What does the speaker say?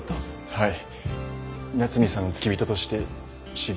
はい。